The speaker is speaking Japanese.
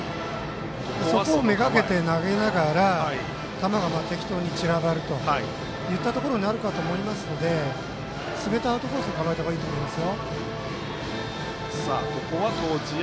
そこをめがけて投げながら球が適当に散らばるといったところになるかと思いますのですべてアウトコースに構えた方がいいと思います。